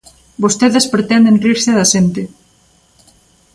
Vostedes pretenden rirse da xente.